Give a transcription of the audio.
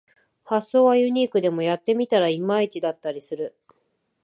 発想はユニークでもやってみたらいまいちだったりする